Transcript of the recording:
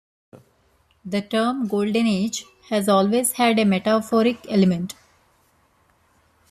The term "Golden age" has always had a metaphoric element.